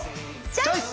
チョイス！